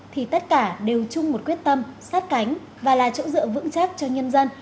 thì tất cả đều chung một quyết tâm sát cánh và là chỗ dựa vững chắc cho nhân dân